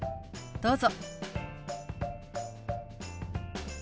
どうぞ。